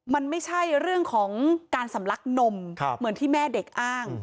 มันไม่ใช่เรื่องของการสำลักนมเหมือนที่แม่เด็กอ้าง